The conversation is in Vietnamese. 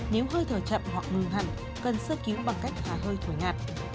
nếu hơi thở chậm hoặc ngừng hẳn cần sơ cứu bằng cách hả hơi thổi ngạt